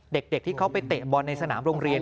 เด็กที่เขาไปเตะบอลในสนามโรงเรียน